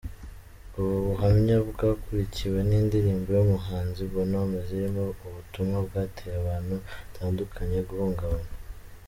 Ubu buhamya bwakurikiwe n’indirimbo y’umuhanzi Bonhomme zirimo ubutumwa bwateye abantu batandukanye guhungabana.